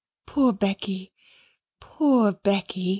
"Poor Becky, poor Becky!"